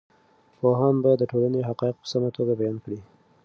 پوهاند باید د ټولنې حقایق په سمه توګه بیان کړي.